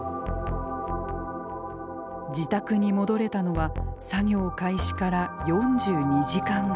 自宅に戻れたのは作業開始から４２時間後。